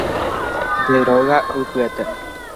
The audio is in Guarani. Nde róga ypyetépe